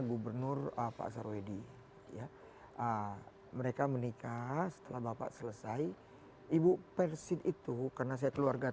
gubernur pak sarwedi ya mereka menikah setelah bapak selesai ibu persib itu karena saya keluarga